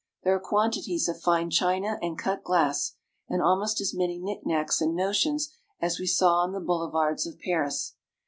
There are quantities of fine china and cut glass, and almost as many knickknacks and notions as we saw on the boulevards of Paris.